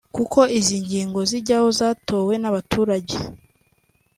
kuko izi ngingo zijyaho zatowe n’abaturage